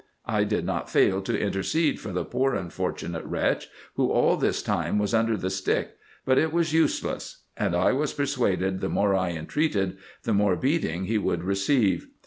I did not fail to intercede for the poor unfortunate wretch, who all this time was under the stick, but it was useless ; and I was persuaded, the more I entreated, the more beating he would receive.